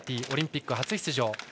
オリンピック初出場。